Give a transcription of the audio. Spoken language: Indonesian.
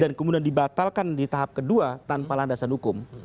dan kemudian dibatalkan di tahap kedua tanpa landasan hukum